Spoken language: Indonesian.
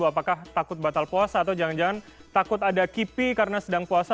apakah takut batal puasa atau jangan jangan takut ada kipi karena sedang puasa